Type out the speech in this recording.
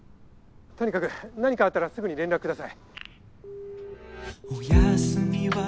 とにかく何かあったらすぐに連絡下さい。